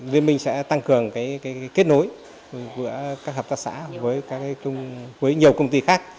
liên minh sẽ tăng cường kết nối của các hợp tác xã với nhiều công ty khác